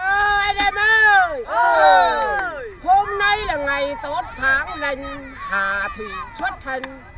ơ anh em ơi hôm nay là ngày tốt tháng lành hạ thủy xuất hành